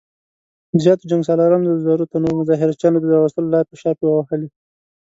زياتو جنګ سالارانو د زرو تنو مظاهره چيانو د راوستلو لاپې شاپې ووهلې.